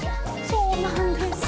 そうなんです。